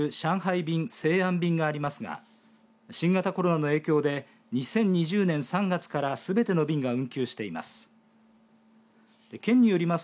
便、西安便がありますが新型コロナの影響で２０２０年３月からすべての便が運休しています。